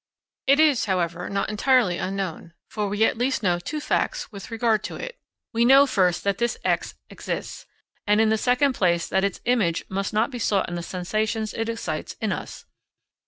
It is, however, not entirely unknown, for we at least know two facts with regard to it. We know, first, that this X exists, and in the second place, that its image must not be sought in the sensations it excites in us.